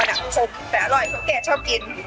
แต่อร่อยเค้าเกลียดชอบกิน